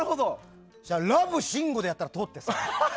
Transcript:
ラブシンゴでやったら通ってさ。